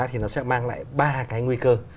thì nó sẽ mang lại ba cái nguy cơ